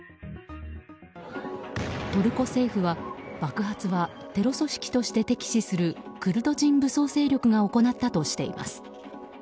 トルコ政府は爆発はテロ組織として敵視するクルド人武装勢力が行ったとしています。